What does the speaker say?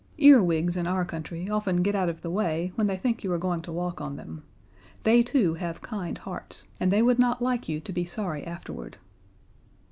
Earwigs in our country often get out of the way when they think you are going to walk on them. They too have kind hearts, and they would not like you to be sorry afterward.